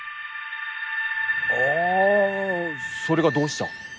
ああそれがどうした？